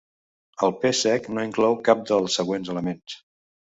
El pes sec no inclou cap dels següents elements.